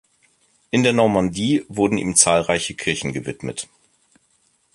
In der Normandie wurden ihm zahlreiche Kirchen gewidmet.